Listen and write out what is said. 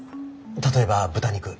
例えば豚肉。